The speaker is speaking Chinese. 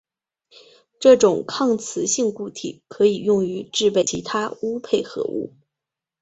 这种抗磁性固体可以用于制备其它钨配合物。